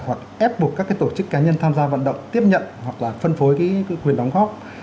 hoặc ép buộc các tổ chức cá nhân tham gia vận động tiếp nhận hoặc là phân phối cái quyền đóng góp